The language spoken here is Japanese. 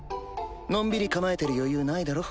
のんびり構えてる余裕ないだろ？